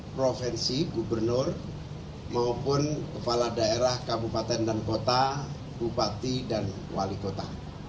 provinsi gubernur maupun kepala daerah kabupaten dan kota bupati dan wali kota